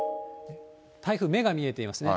台風、目が見えていますね。